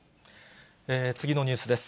次のニュースです。